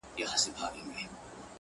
دې جوارۍ کي د بايللو کيسه ختمه نه ده-